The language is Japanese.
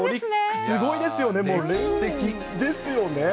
すごいですよね、劇的ですよね。